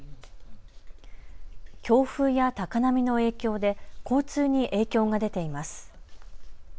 強風や高波の影響で交通に影響が出ています。